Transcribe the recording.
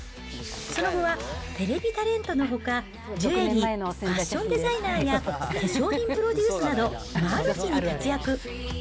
その後はテレビタレントのほか、ジュエリー、ファッションデザイナーや、化粧品プロデュースなど、マルチに活躍。